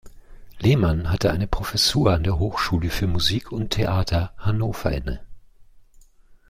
Lehmann hatte eine Professur an der Hochschule für Musik und Theater Hannover inne.